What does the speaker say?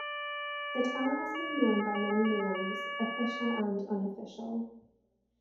The tower has been known by many names, official and unofficial.